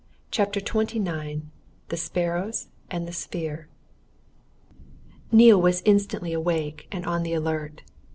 CHAPTER XXIX THE SPARROWS AND THE SPHERE Neale was instantly awake and on the alert.